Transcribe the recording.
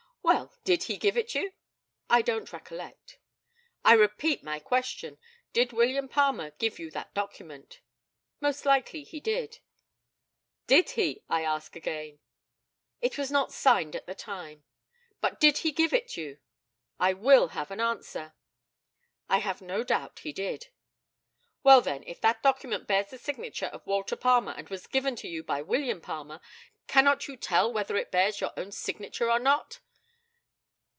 Well, did he give it you? I don't recollect. I repeat my question. Did William Palmer give you that document? Most likely he did. Did he, I ask again? It was not signed at the time. But did he give it you? I will have an answer. I have no doubt he did. Well, then, if that document bears the signature of Walter Palmer, and was given to you by William Palmer, cannot you tell whether it bears your own signature or not?